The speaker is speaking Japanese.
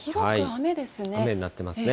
雨になってますね。